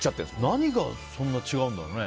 何がそんなに違うんだろうね。